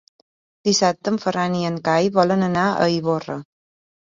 Dissabte en Ferran i en Cai volen anar a Ivorra.